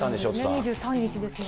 ２３日ですもんね。